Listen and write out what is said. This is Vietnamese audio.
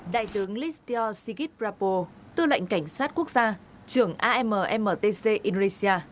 đại tướng listio sigit prabowo tư lệnh cảnh sát quốc gia trưởng ammtc indonesia